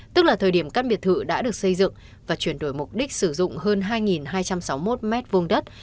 tức là thời điểm căn biệt thự đã được xây dựng và chuyển đổi mục đích sử dụng hơn hai hai trăm sáu mươi một m hai đất